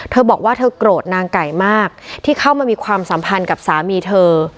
เธอบอกว่าเธอโกรธนางไก่มากที่เข้ามามีความสัมพันธ์กับสามีเธอ